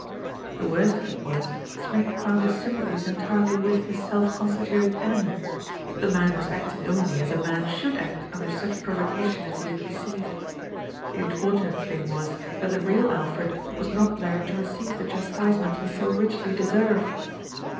The worst of it was Smith found his sympathies entirely with his self constituted enemy. The man was acting only as a man should act under such provoca tion as he had received. The unfortunate thing was that the real Alfred was not there to receive the chas tisement he so richly deserved.